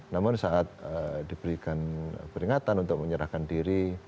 namun saat diberikan peringatan untuk menyerahkan diri